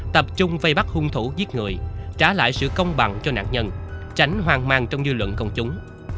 tập trung vây bắt hung thủ giết người trả lại sự công bằng cho nạn nhân tránh hoang mang trong dư luận công chúng